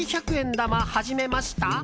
玉始めました？